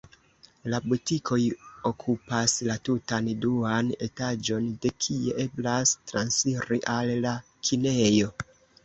La butikoj okupas la tutan duan etaĝon, de kie eblas transiri al la kinejo.